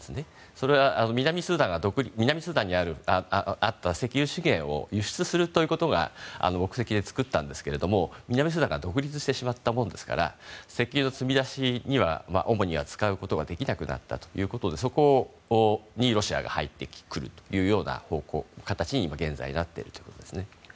それは南スーダンにあった石油資源を輸出するということが目的で作ったんですけども南スーダンが独立してしまったものですから石油の積み出しには使うことができなくなったということでそこにロシアが入ってくるという方向、形に現在なっているということですね。